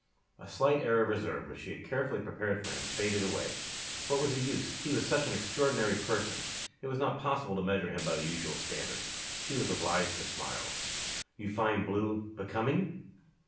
A slight air of reserve which she had carefully prepared for him, faded away. What was the use? He was such an extraordinary person! It was not possible to measure him by the usual standards. She was obliged to smile. "You find blue becoming?"